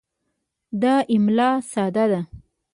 دا املا ساده ده.